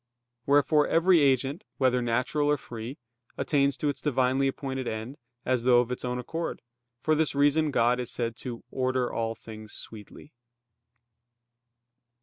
Wherefore every agent, whether natural or free, attains to its divinely appointed end, as though of its own accord. For this reason God is said "to order all things sweetly."